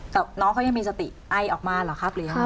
แต่ว่าน้องเขายังมีสติไอออกมาหรอครับหรือยังไง